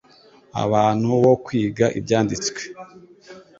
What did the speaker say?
abantu wo kwiga Ibyanditswe,